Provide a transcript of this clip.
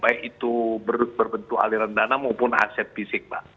baik itu berbentuk aliran dana maupun aset fisik pak